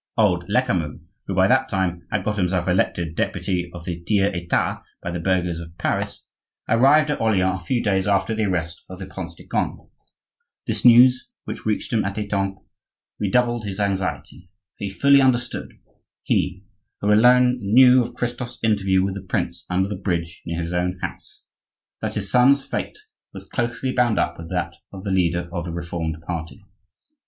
Old Lecamus, who by that time had got himself elected deputy of the tiers etat by the burghers of Paris, arrived at Orleans a few days after the arrest of the Prince de Conde. This news, which reached him at Etampes, redoubled his anxiety; for he fully understood—he, who alone knew of Christophe's interview with the prince under the bridge near his own house—that his son's fate was closely bound up with that of the leader of the Reformed party.